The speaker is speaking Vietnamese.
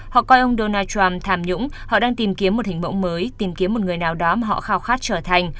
họ coi ông donald trump tham nhũng họ đang tìm kiếm một hình mẫu mới tìm kiếm một người nào đó mà họ khao khát trở thành